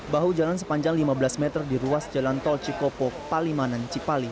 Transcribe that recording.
bahu jalan sepanjang lima belas meter di ruas jalan tol cikopo palimanan cipali